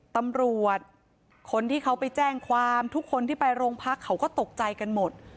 ตำรวจคนที่เขาไปแจ้งความทุกคนที่ไปโรงพักเขาก็ตกใจกันหมด